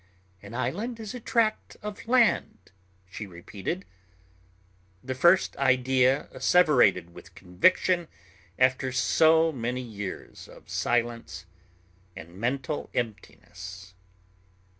"An island is a tract of land," she repeated the first idea asseverated with conviction after so many years of silence and mental emptiness.